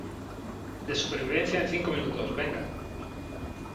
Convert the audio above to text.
de supervivencia en cinco minutos . venga .